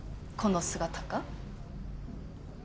この姿か？